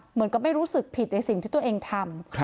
เหมือนกับไม่รู้สึกผิดในสิ่งที่ตัวเองทำ